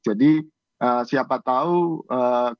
jadi siapa tahu kita dengan benar bisa mengetahui hal ini